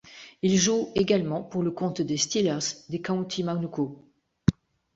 Il joue également pour le compte des Steelers des Counties Manukau.